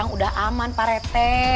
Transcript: udah aman pak rete